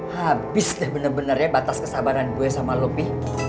habis deh bener bener ya batas kesabaran gue sama lobby